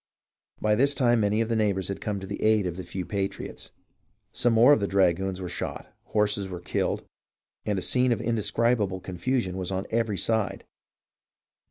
By this time many of the neighbours had come to the aid of the few patriots. Some more of the dragoons were shot, horses were killed, and a scene of indescribable con fusion was on every side.